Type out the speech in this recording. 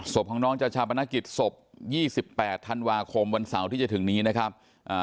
ศพของน้องจะชาปนกิจศพยี่สิบแปดธันวาคมวันเสาร์ที่จะถึงนี้นะครับอ่า